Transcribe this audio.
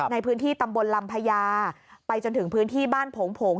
ในพื้นที่ตำบลลำพญาไปจนถึงพื้นที่บ้านโผงผง